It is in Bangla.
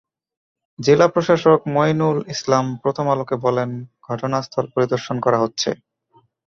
জেলা প্রশাসক মঈনউল ইসলাম প্রথম আলোকে বলেন, ঘটনাস্থল পরিদর্শন করা হচ্ছে।